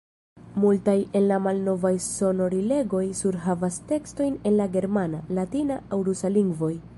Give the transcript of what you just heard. Multaj el la malnovaj sonorilegoj surhavas tekstojn en la germana, latina aŭ rusa lingvoj.